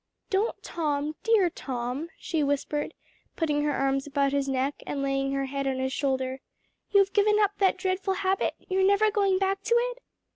"Don't, Tom, dear Tom!" she whispered, putting her arms about his neck and laying her head on his shoulder. "You've given up that dreadful habit? you're never going back to it?"